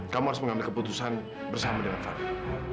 kamu harus mengambil keputusan bersama dengan kami